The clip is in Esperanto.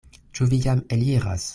Ĉu vi jam eliras?